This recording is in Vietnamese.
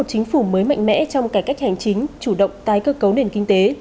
chính phủ mới mạnh mẽ trong cải cách hành chính chủ động tái cơ cấu nền kinh tế